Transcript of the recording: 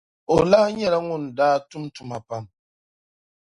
O lahi nyɛla ŋun daa lahi tum tuma pam.